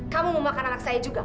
kamu mau makan anak saya juga